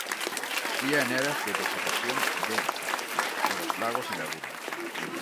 Cría en áreas de vegetación densa de los lagos y lagunas.